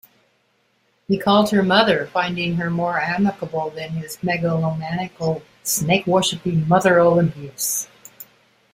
He called her "mother", finding her more amicable than his megalomaniacal snake-worshiping mother Olympias.